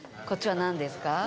こっちはなんですか？